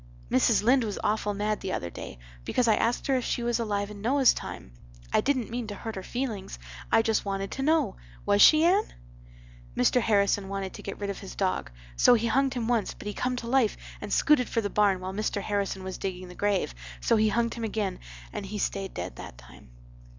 "Mrs. Lynde was awful mad the other day because I asked her if she was alive in Noah's time. I dident mean to hurt her feelings. I just wanted to know. Was she, Anne? "Mr. Harrison wanted to get rid of his dog. So he hunged him once but he come to life and scooted for the barn while Mr. Harrison was digging the grave, so he hunged him again and he stayed dead that time.